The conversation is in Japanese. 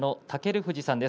富士さんです